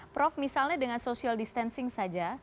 prof misalnya dengan social distancing saja